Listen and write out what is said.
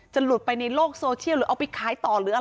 จะหลุดไปในโลกโซเชียลหรือเอาไปขายต่อ